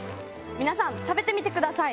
皆さん食べてみてください。